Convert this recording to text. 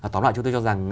tóm lại chúng tôi cho rằng